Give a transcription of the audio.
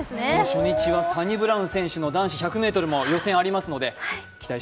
初日はサニブラウン選手の男子１００ｍ予選もありますので。